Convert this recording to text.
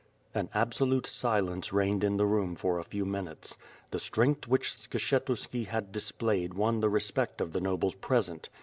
An absolute silence reigned in the room for a few minutes, The strength which Skshetuski had displayed won the respect of the nobles present.